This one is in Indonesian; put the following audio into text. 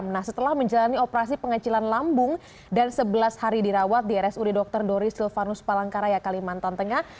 nah setelah menjalani operasi pengecilan lambung dan sebelas hari dirawat di rsud dr doris silvanus palangkaraya kalimantan tengah